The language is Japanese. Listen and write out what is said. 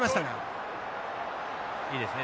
いいですね。